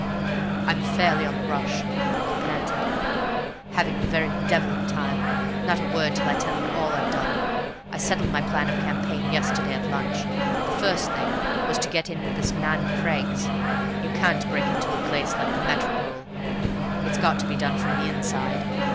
"I'm fairly on the rush," he panted; "having the very devil of a time! Not a word till I tell you all I've done. I settled my plan of campaign yesterday at lunch. The first thing was to get in with this man Craggs; you can't break into a place like the Métropole, it's got to be done from the inside.